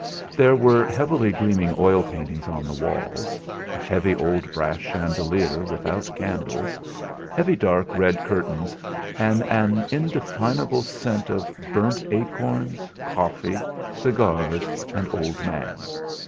There were heavily gleaming oil paintings on the walls, a heavy old brass chandelier without candles, heavy dark red curtains, and an indefinable scent of burnt acorns, coffee, cigars, and old man.